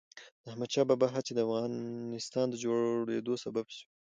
د احمد شاه بابا هڅې د افغانستان د جوړېدو سبب سوي.